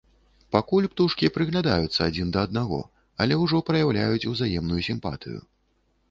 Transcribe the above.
Пакуль птушкі прыглядаюцца адзін да аднаго, але ўжо праяўляюць узаемную сімпатыю.